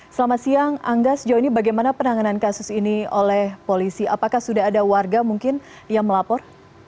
selamat siang angga sejauh ini bagaimana penanganan kasus ini oleh polisi apakah sudah ada warga mungkin yang melapor